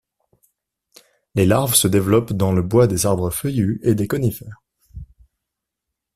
Les larves se développent dans le bois des arbres feuillus et des conifères.